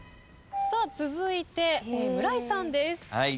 続いて村井さんです。